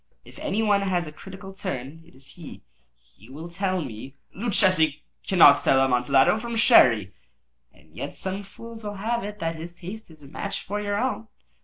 If any one has a critical turn, it is he. He will tell me—" "Luchesi cannot tell Amontillado from Sherry." "And yet some fools will have it that his taste is a match for your own."